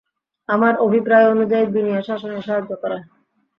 আমার অভিপ্রায় অনুযায়ী দুনিয়া শাসনে সাহায্য করা!